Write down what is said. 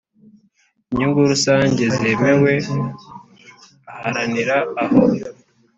Inyungu rusange zemewe aharanira aho